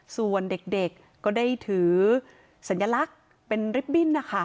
ส่วนเด็กก็ได้ถือสัญลักษณ์เป็นริบบิ้นนะคะ